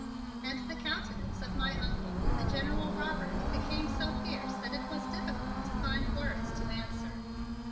And the countenance of my Uncle, the General Robert, became so fierce that it was difficult to find words to answer.